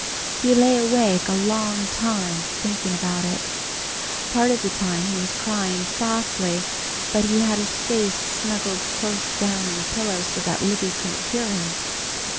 He lay awake a long time thinking about it. Part of the time he was crying softly, but he had his face snuggled close down in the pillow so that Libby couldn't hear him.